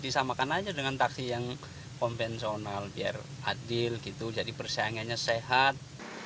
disamakan aja dengan taksi yang konvensional biar adil gitu jadi persaingannya sehat